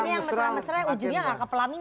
biasanya yang mesra mesra ujungnya enggak kepelaminan